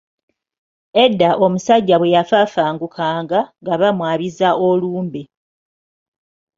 Edda omusajja bwe yafafangukanga nga bamwabiza olumbe.